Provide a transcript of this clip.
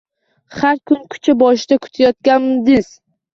Xar kun kucha boshida kutayotganiz